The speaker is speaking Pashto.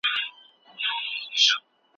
دوی خپل کرامت ته درناوی کاوه.